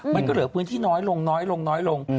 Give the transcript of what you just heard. มันก็เหลือพื้นที่น้อยลงลงลง